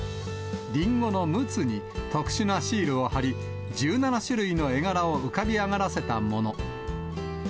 りんごの陸奥に特殊なシールを貼り、１７種類の絵柄を浮かび上がらせたもの。